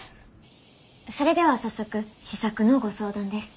それでは早速試作のご相談です。